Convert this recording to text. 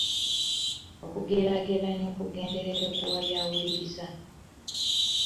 Okugeraageranya okugenderera okuwabya awuliriza.